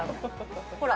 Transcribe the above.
ほら！